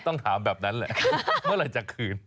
ต้องถามแบบนั้นแหละเมื่อไหร่จะคืน